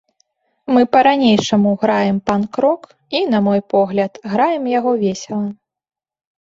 Мы па-ранейшаму граем панк-рок і, на мой погляд, граем яго весела.